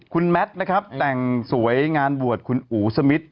คุณแมทนะครับแต่งสวยงานบวชคุณอู๋สมิท